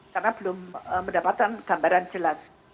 karena belum mendapatkan gambaran jelas